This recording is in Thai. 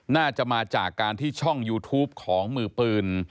น่าจะมาจากการที่ช่องยูทูปของมือปืน